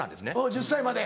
１０歳まで。